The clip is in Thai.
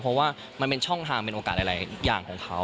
เพราะว่ามันเป็นช่องทางเป็นโอกาสหลายอย่างของเขา